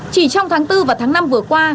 chỉ trong tháng bốn và tháng năm vừa qua